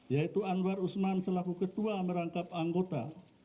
yaitu anwar usman selaku ketua merangkap anggota